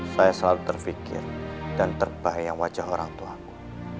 saya selalu terpikir dan terbayang wajah orangtuaku